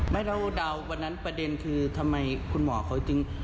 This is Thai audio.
เราเดาวันนั้นประเด็นคือทำไมคุณหมอเขาจึง